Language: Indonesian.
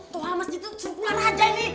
toh mas gitu cumpulan raja ini